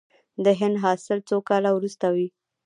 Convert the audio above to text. د هنګ حاصل څو کاله وروسته وي؟